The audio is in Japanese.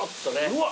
うわ！